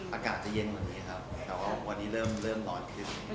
อากาศจะเย็นวันนี้ครับแต่ว่าวันนี้เริ่มร้อนขึ้น